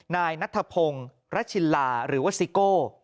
นายนัทพงศ์รัชินลาหรือว่าซิโก้